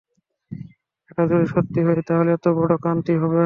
যদি এটা সত্যি হয়, তাহলে অতো বড় ক্রান্তিই হবে।